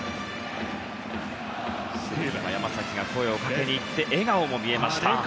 山崎が声をかけにいって笑顔も見えました。